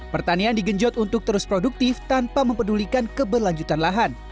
pertanian digenjot untuk terus produktif tanpa mempedulikan keberlanjutan lahan